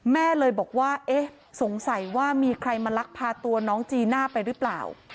แม่เลยบอกว่าเอ๊ะสงสัยว่ามีใครมาลักพาตัวน้องจีน่าไปหรือเปล่า